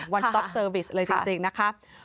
วันสต๊อปเซอร์วิทย์เลยจริงนะคะใช่ค่ะ